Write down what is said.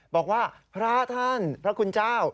บอกว่าพระท่านพระคุณเจ้า